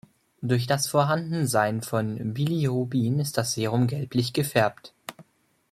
Durch das Vorhandensein von Bilirubin ist das Serum gelblich gefärbt.